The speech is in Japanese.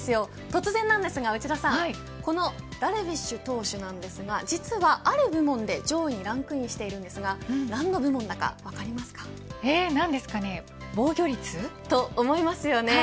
突然ですが、内田さんこのダルビッシュ投手なんですが実は、ある部門で上位にランクインしているんですがなんですかね、防御率。と思いますよね。